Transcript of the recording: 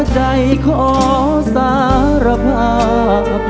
ใจขอสารภาพ